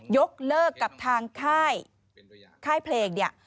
ยกเลิกกับทางค่ายเพลงเนี่ย